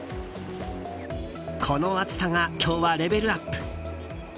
この暑さが今日はレベルアップ。